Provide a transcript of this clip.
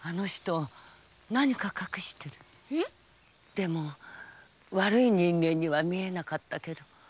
でも悪い人間には見えなかったけど。